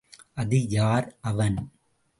அது யார் அவன்?